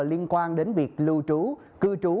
liên quan đến việc lưu trú cư trú